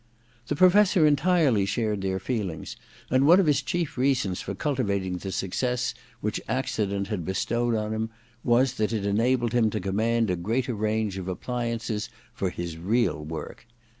The Professor entirely shared their feelings, 3a vr THE DESCENT OF MAN 33 and one of his chief reasons for cultivating the success which accident had bestowed on him was that it enabled him to command a greater range of appliances for his real work.